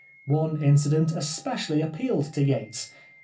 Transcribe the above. One incident especially appealed to Yates.